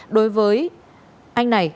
đối với anh này